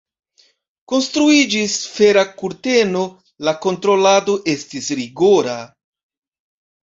Konstruiĝis Fera kurteno, la kontrolado estis rigora.